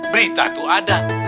berita tuh ada